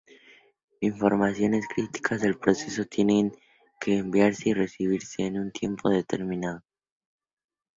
Informaciones críticas del proceso tienen que enviarse y recibirse en un tiempo determinado.